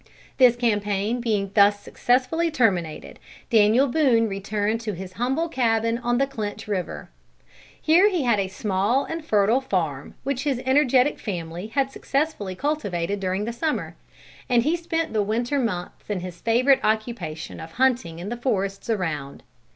This campaign being thus successfully terminated, Daniel Boone returned to his humble cabin on the Clinch River. Here he had a small and fertile farm, which his energetic family had successfully cultivated during the summer, and he spent the winter months in his favorite occupation of hunting in the forests around.